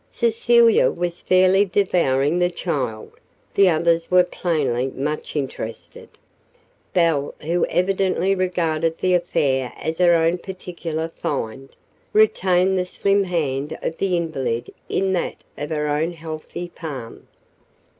Cecilia was fairly "devouring the child." The others were plainly much interested. Belle, who evidently regarded the affair as her own particular "find," retained the slim hand of the invalid in that of her own healthy palm.